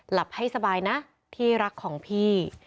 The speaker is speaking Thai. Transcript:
หลับให้สบายนะที่รักของพี่